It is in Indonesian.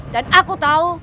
dan aku tahu